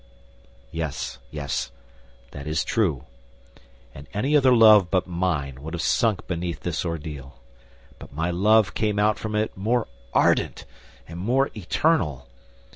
"Yes, yes, that is true. And any other love but mine would have sunk beneath this ordeal; but my love came out from it more ardent and more eternal.